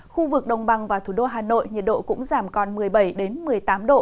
khu vực đồng bằng và thủ đô hà nội nhiệt độ cũng giảm còn một mươi bảy một mươi tám độ